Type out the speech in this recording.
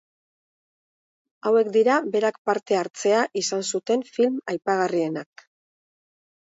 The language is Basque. Hauek dira berak parte hartzea izan zuten film aipagarrienak.